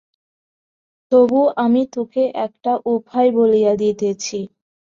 তবু আমি তোকে একটা উপায় বলিয়া দিতেছি।